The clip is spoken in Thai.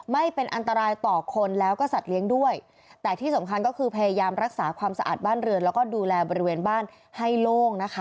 ไม่เป็นอันตรายต่อคนแล้วก็สัตว์เลี้ยงด้วยแต่ที่สำคัญก็คือพยายามรักษาความสะอาดบ้านเรือนแล้วก็ดูแลบริเวณบ้านให้โล่งนะคะ